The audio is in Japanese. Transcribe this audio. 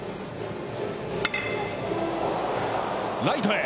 ライトへ。